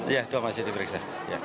ya dua masih diperiksa